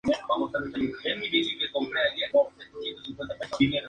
Es posible identificar la actividad de los escribas en el registro arqueológico.